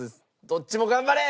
どっちも頑張れ！